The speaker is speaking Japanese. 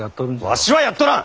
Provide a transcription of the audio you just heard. わしはやっとらん！